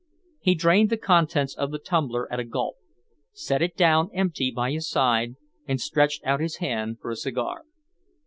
He drained the contents of the tumbler at a gulp, set it down empty by his side, and stretched out his hand for a cigar.